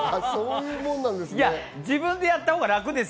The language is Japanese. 自分でやったほうが楽です。